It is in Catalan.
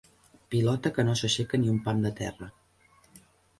Pilota que no s'aixeca ni un pam de terra.